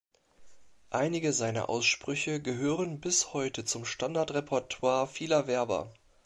Einige seiner Aussprüche gehören bis heute zum Standard-Repertoire vieler Werber.